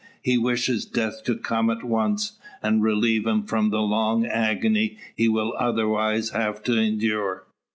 He wishes death to come at once, and relieve him from the long agony he will otherwise have to endure.